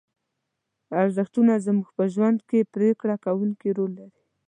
ارزښتونه زموږ په ژوند کې پرېکړه کوونکی رول لري.